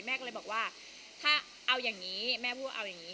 แม่ก็เลยบอกว่าถ้าเอาอย่างนี้แม่พูดว่าเอาอย่างนี้